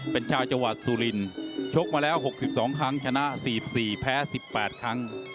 เป็นชาวจังหวัดสุรินชกมาแล้ว๖๒ครั้งชนะ๔๔แพ้๑๘ครั้ง